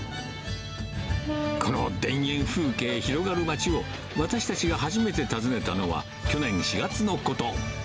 この田園風景広がる町を、私たちが初めて訪ねたのは、去年４月のこと。